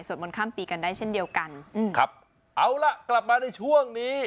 สวดมนตร์ข้ามปีกันได้เช่นเดียวกันเอาละกลับมาในช่วงนี้